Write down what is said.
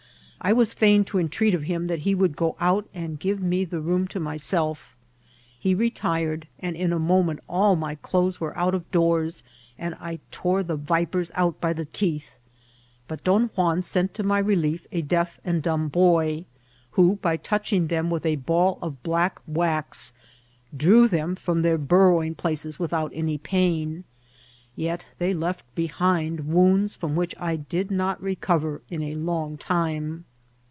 I was fiedn lo entreat of him that he would go out and give me the room to myself. He retired, and in a mo ment all my clothes were out of doors, and I tore the vipers out by the teeth ; but Don Juan sent to my re lief a deaf and dumb boy, who, by touching them with a ball of black wax, drew them from their burrowing places without any pain ; yet they left behind wounds from which I did not recover in a long time.